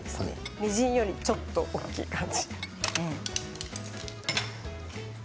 みじんよりちょっと大きい感じ。